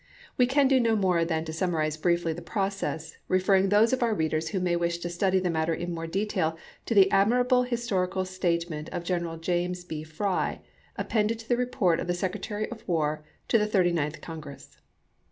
We can do no more than to summarize briefly the process, referring those of our readers who may wish to study the matter more in detail to the admirable historical statement of General James B. Fry, appended to the report of the Secretary of War to the Thirty ninth Congress.